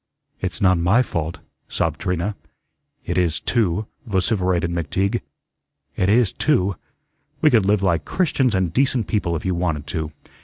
"It's not my fault," sobbed Trina. "It is too," vociferated McTeague. "It is too. We could live like Christians and decent people if you wanted to.